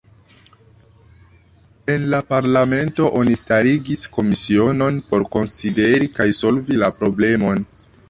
En la parlamento oni starigis komisionon por konsideri kaj solvi la problemon.